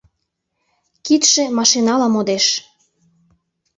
Кидше машинала модеш.